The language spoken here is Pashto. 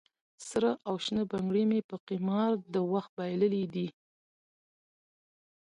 سره او شنه بنګړي مې په قمار د وخت بایللې دي